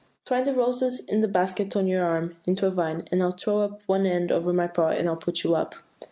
'Twine the roses in the basket on your arm into a vine, and throw up one end over my paw, and I will pull you up.